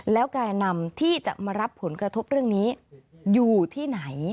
แล้วแก่นำที่จะมารับผลกระทบเรื่องนี้อยู่ที่ไหน